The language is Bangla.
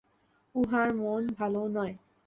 উহার মন ভালো নয়।